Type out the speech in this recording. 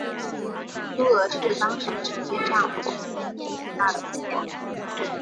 苏俄是当时世界上土地面积最大的国家。